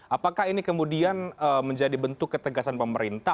apakah ini kemudian menjadi bentuk ketegasan pemerintah